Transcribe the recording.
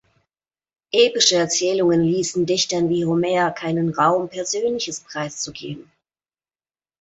Epische Erzählungen ließen Dichtern wie Homer keinen Raum, Persönliches preiszugeben.